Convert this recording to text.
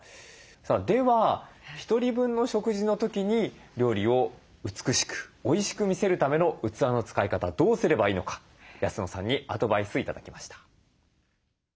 では１人分の食事の時に料理を美しくおいしく見せるための器の使い方どうすればいいのか安野さんにアドバイス頂きました。